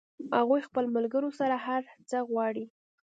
هغوی خپلو ملګرو سره هر څه وایي